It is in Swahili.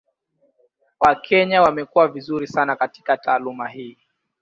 Wakenya wamekuwa vizuri sana katika taaluma hii.